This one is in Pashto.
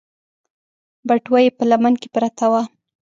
بټوه يې په لمن کې پرته وه.